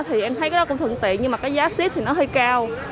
thì em thấy cái đó cũng thuận lợi nhưng mà cái giá ship thì nó hơi cao